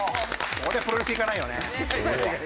ここでプロレスいかないよね。